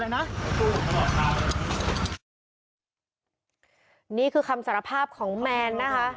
นี่คือคำสารภาพของแมนนะคะ